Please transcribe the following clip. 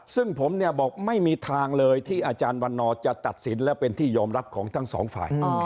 ซึ่งผมเนี่ยบอกไม่มีทางเลยที่อาจารย์วันนอร์จะตัดสินและเป็นที่ยอมรับของทั้งสองฝ่าย